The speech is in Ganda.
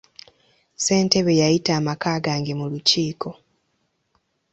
Ssentebe yayita amaka gange mu lukiiko.